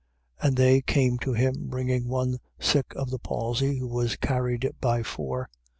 2:3. And they came to him, bringing one sick of the palsy, who was carried by four.